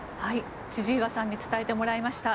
千々岩さんに伝えてもらいました。